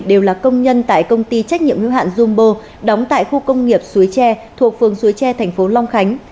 đều là công nhân tại công ty trách nhiệm hữu hạn zoombo đóng tại khu công nghiệp suối tre thuộc phường suối tre thành phố long khánh